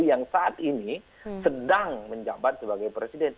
yang saat ini sedang menjabat sebagai presiden